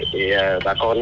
thì bà con